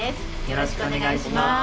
よろしくお願いします。